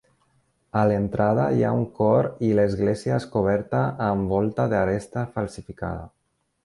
A l'entrada hi ha un cor i l'església és coberta amb volta d'aresta falsificada.